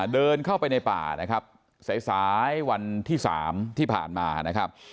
เดินเข้าไปในป่านะครับสายวันที่๓ที่ผ่านมานะครับ